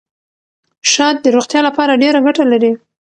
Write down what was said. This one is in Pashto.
شات د روغتیا لپاره ډېره ګټه لري.